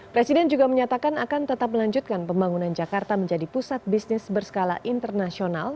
presiden juga menyatakan akan tetap melanjutkan pembangunan jakarta menjadi pusat bisnis berskala internasional